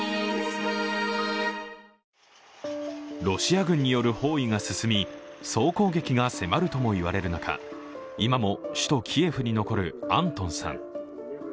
ロシア軍による包囲が進み総攻撃が迫るとも言われる中今も首都キエフに残るアントンさん。